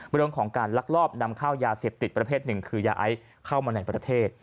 เรื่องของการลักลอบนำเข้ายาเสพติดประเภทหนึ่งคือยาไอซ์เข้ามาในประเทศ